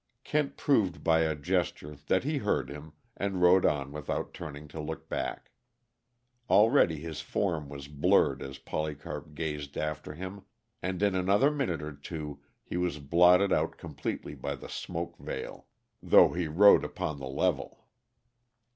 Kent proved by a gesture that he heard him, and rode on without turning to look back. Already his form was blurred as Polycarp gazed after him, and in another minute or two he was blotted out completely by the smoke veil, though he rode upon the level.